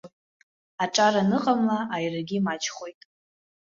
Аҿар аныҟамла, аирагьы маҷхоит.